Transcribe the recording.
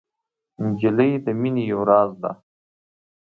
نجلۍ د مینې یو راز ده.